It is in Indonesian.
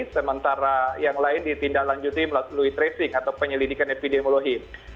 sementara yang lain ditindaklanjuti melalui tracing atau penyelidikan epidemiologi